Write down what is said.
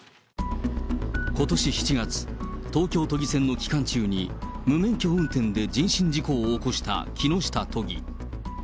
ことし７月、東京都議選の期間中に、無免許運転で人身事故を起こした木下都議。